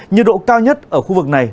nhiệt độ cao nhất ở khu vực này